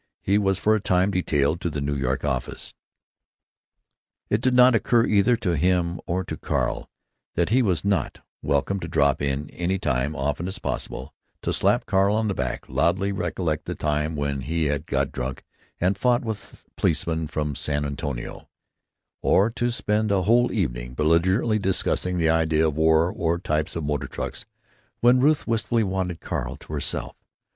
He was for a time detailed to the New York office. It did not occur either to him nor to Carl that he was not "welcome to drop in any time; often as possible," to slap Carl on the back, loudly recollect the time when he had got drunk and fought with a policeman in San Antonio, or to spend a whole evening belligerently discussing the idea of war or types of motor trucks when Ruth wistfully wanted Carl to herself.